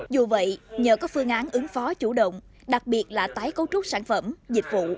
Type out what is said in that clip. dù vậy nhờ có phương án ứng phó chủ động đặc biệt là tái cấu trúc sản phẩm dịch vụ